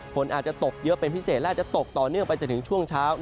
ฝนอาจจะตกเยอะเป็นพิเศษและอาจจะตกต่อเนื่องไปจนถึงช่วงเช้า